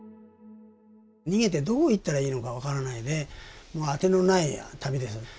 逃げてどう行ったらいいのか分からないでもうあてのない旅です。